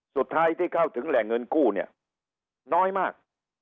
สุดท้ายที่เข้าถึงแหล่งเงินกู้เนี่ยน้อยมาก